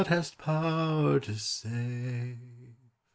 hast power to save.